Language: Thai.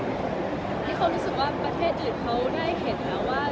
ที่เขารู้สึกว่าประเทศอื่นเขาได้เห็นแล้วว่า